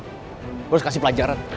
gue harus kasih pelajaran